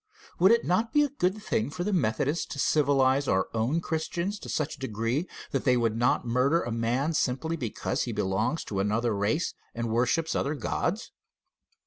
Would it not be a good thing for the Methodists to civilize our own Christians to such a degree that they would not murder a man simply because he belongs to another race and worships other gods?